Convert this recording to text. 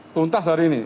tuntas hari ini